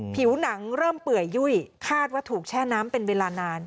ผิวหนังเริ่มเปื่อยยุ่ยคาดว่าถูกแช่น้ำเป็นเวลานาน